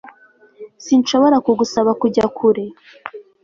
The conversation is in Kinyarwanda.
Sinshobora kugusaba kujya kure